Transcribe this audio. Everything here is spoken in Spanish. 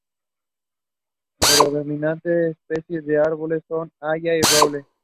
Predominante especies de Árboles son de Haya y Roble.